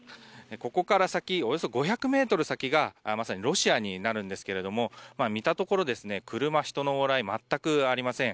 ここから先、およそ５００ｍ先がまさにロシアになるんですけれど見たところ車、人の往来、全くありません。